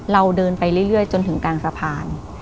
เราเดินไปเรื่อยจนถึงกลางสะพาน